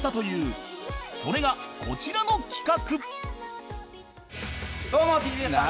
それがこちらの企画